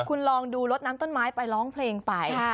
คุณลองดูรถน้ำต้นไม้ไปร้องเพลงไป